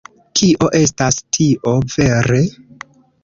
Kio estas tio, vere?